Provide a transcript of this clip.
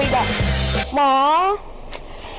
เขาไปคุยแบบ